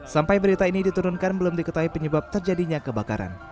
sampai berita ini diturunkan belum diketahui penyebab terjadinya kebakaran